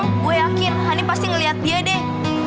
aku yakin hani pasti ngeliat dia deh